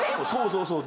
そうそう。